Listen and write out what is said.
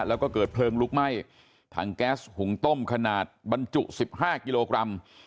แล้วก็เกิดเพลิงลุกไหม้ถังแก๊สหุงต้มขนาดบรรจุ๑๕กิโลกรัม